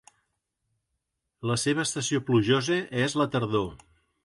La seva estació plujosa és la tardor.